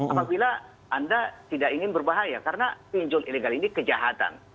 apabila anda tidak ingin berbahaya karena pinjol ilegal ini kejahatan